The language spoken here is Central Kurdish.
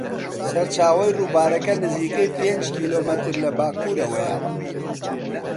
سەرچاوەی ڕووبارەکە نزیکەی پێنج کیلۆمەتر لە باکوورەوەیە.